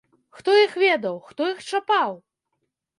Хто іх ведаў, хто іх чапаў!